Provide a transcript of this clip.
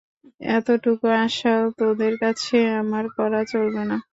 এতটুকু আশাও তোদের কাছে আমার করা চলবে না?